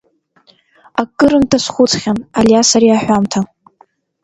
Акырынтә дазхәыцхьан Алиас ари аҳәамҭа.